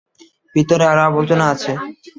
ভিতরে আরো আবর্জনা আছে।